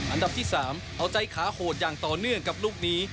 อันดับที่๓เอาใจขาโหดอย่างต่อเนื่องกับลูกนี้